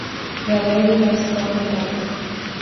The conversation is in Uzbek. Biologiya darsi davom etardi...